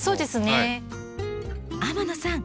天野さん